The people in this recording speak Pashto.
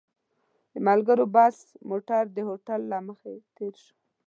د ملګرو بس موټر د هوټل له مخې تېر شو.